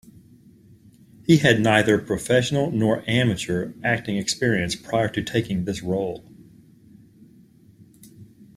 He had neither professional nor amateur acting experience prior to taking this role.